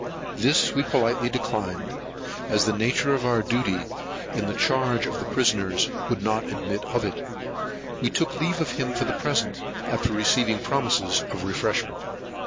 This we politely declined, as the nature of our duty in the charge of the prisoners would not admit of it. We took leave of him for the present, after receiving promises of refreshment.